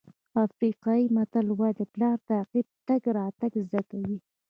افریقایي متل وایي د پلار تعقیب تګ راتګ زده کوي.